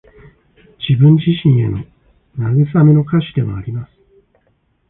自分自身への慰めの歌詞でもあります。